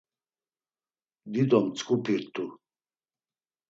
Dido mtzǩupi rt̆u.